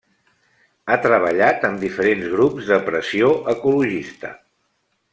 Ha treballat amb diferents grups de pressió ecologista.